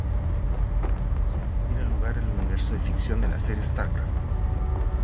Ghost tiene lugar en el universo de ficción de la serie StarCraft.